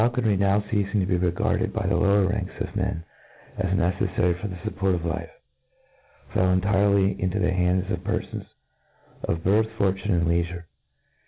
Faulconry now ceafing to be regarded by the lower ranks of men as necefTary for the fupport of life, fell intifely into the hands of perfpns of Jbirth, fortune, and leifure.